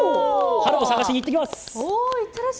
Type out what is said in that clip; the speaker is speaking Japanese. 春を探しに行ってきます！